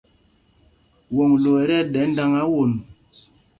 Woŋglo ɛ́ tí ɛɗɛ́ ndāŋā won.